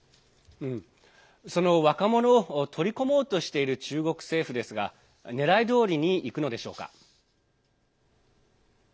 その若者を取り込もうとしている中国政府ですがねらいどおりにいくのでしょうか。